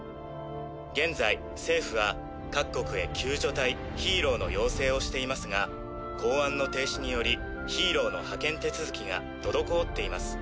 現在政府は各国へ救助隊ヒーローの要請をしていますが公安の停止によりヒーローの派遣手続きが滞っています。